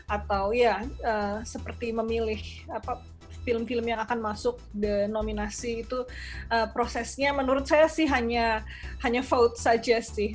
atau ya seperti memilih film film yang akan masuk the nominasi itu prosesnya menurut saya sih hanya vote saja sih